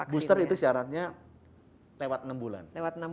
booster itu syaratnya lewat enam bulan